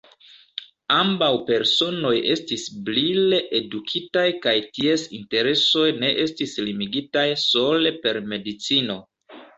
Ambaŭ personoj estis brile edukitaj kaj ties interesoj ne estis limigitaj sole per medicino.